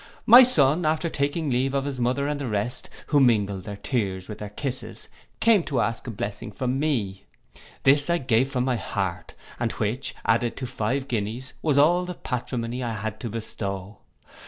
My son, after taking leave of his mother and the rest, who mingled their tears with their kisses, came to ask a blessing from me. This I gave him from my heart, and which, added to five guineas, was all the patrimony I had now to bestow.